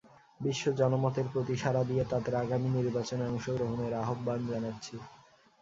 বিশ্ব জনমতের প্রতি সাড়া দিয়ে তাদের আগামী নির্বাচনে অংশগ্রহণের আহ্বান জানাচ্ছি।